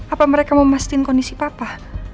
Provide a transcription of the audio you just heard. apa mereka mau mestiin kondisi papa